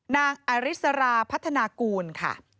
นางอริสราพัฒนากูลค่ะ